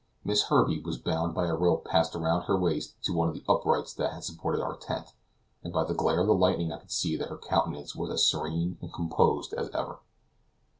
Miss Herbey was bound by a rope passed round her waist to one of the uprights that had supported our tent, and by the glare of the lightning I could see that her countenance was as serene and composed as ever.